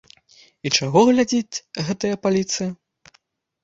І чаго глядзіць гэтая паліцыя!